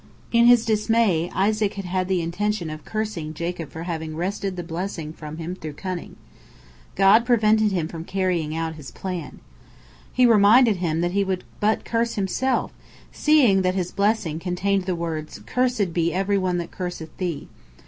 In his dismay, Isaac had had the intention of cursing Jacob for having wrested the blessing from him through cunning. God prevented him from carrying out his plan. He reminded him that he would but curse himself, seeing that his blessing contained the words, "Cursed be every one that curseth thee."